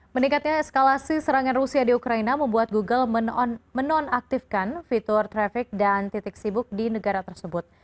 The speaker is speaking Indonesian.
meningkatnya eskalasi serangan rusia di ukraina membuat google menonaktifkan fitur traffic dan titik sibuk di negara tersebut